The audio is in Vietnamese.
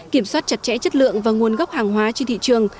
kiểm soát chặt chẽ chất lượng và nguồn gốc hàng hóa trên thị trường